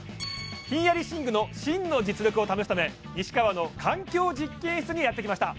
寝具の真の実力を試すため西川の環境実験室にやってきました